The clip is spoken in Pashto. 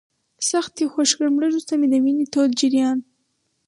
سخت یې خوږ کړم، لږ وروسته مې د وینې تود جریان.